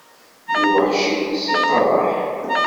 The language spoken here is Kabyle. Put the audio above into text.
Lweḥc-ines iqerreḥ.